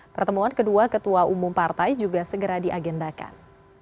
pertemuan kedua ketua umum partai juga segera diagendakan